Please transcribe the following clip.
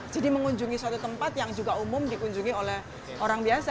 jadi mengunjungi suatu tempat yang juga umum dikunjungi oleh orang biasa